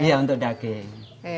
iya untuk daging